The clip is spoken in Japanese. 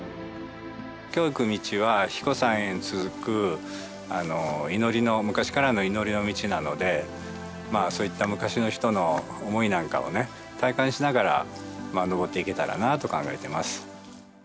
今日行く道は英彦山へ続くそういった昔の人の思いなんかをね体感しながら登っていけたらなと考えています。